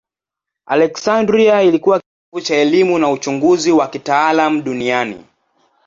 Aleksandria ilikuwa kitovu cha elimu na uchunguzi wa kitaalamu duniani.